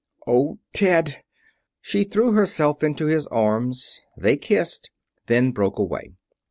"Oh, Ted!" She threw herself into his arms. They kissed, then broke away.